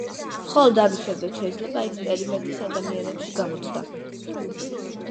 მხოლოდ ამის შემდეგ შეიძლება ექსპერიმენტის ადამიანებში გამოცდა.